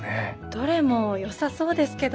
どれもよさそうですけど。